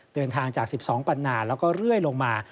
เดินทางจาก๑๒ปันนาแล้วก็เรื่อยลงมา